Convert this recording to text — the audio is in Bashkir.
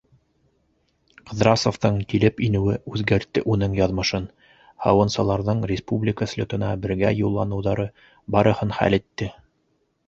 Ҡыҙрасовтың килеп инеүе үҙгәртте уның яҙмышын, һауынсыларҙың республика слетына бергә юлланыуҙары барыһын хәл итте.